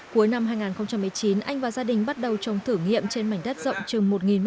cuối năm hai nghìn một mươi chín anh và gia đình bắt đầu trồng thử nghiệm trên mảnh đất rộng chừng một m hai